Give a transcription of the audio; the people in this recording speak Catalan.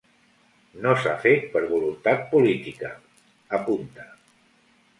“No s’ha fet per voluntat política”, apunta.